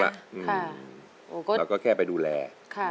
เราก็แค่ไปดูแล